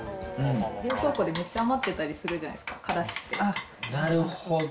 冷蔵庫でめっちゃ余ってたりするじゃないですか、からしってなるほど。